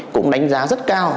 cũng đánh giá rất cao